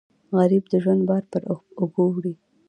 غریب د ژوند بار پر اوږو وړي